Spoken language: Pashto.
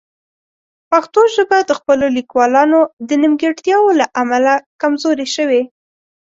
پښتو ژبه د خپلو لیکوالانو د نیمګړتیاوو له امله کمزورې شوې.